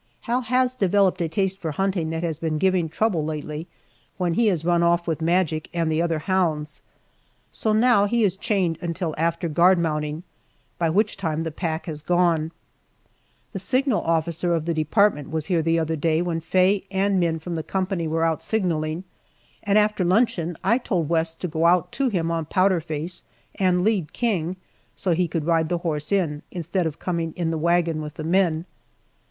Hal has developed a taste for hunting that has been giving trouble lately, when he has run off with Magic and the other hounds. So now he is chained until after guard mounting, by which time the pack has gone. The signal officer of the department was here the other day when Faye and men from the company were out signaling, and after luncheon I told West to go out to him on Powder Face and lead King, so he could ride the horse in, instead of coming in the wagon with the men.